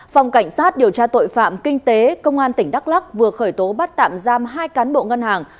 phòng cảnh sát điều tra tội phạm kinh tế công an tỉnh đắk lắc vừa khởi tố bắt tạm giam hai cán bộ ngân hàng